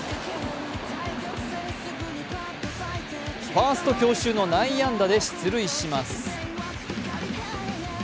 ファースト強襲の内野安打で出塁します。